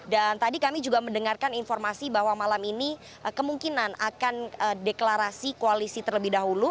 dan tadi kami juga mendengarkan informasi bahwa malam ini kemungkinan akan deklarasi koalisi terlebih dahulu